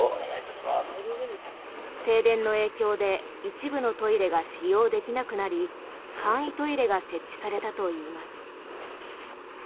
停電の影響で一部のトイレが使用できなくなり簡易トイレが設置されたといいます。